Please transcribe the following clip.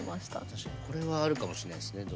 確かにこれはあるかもしれないっすね。